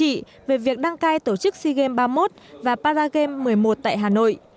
hà nội đã đề nghị hành trị về việc đăng cai tổ chức sea games ba mươi một và paragame một mươi một tại hà nội